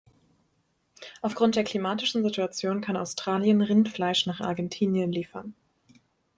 Aufgrund der klimatischen Situation kann Australien Rindfleisch nach Argentinien liefern.